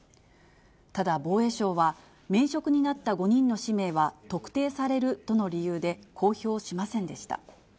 ただ、防衛省は、免職になった５人の氏名は特定されるとの理由で、公表しませんでした。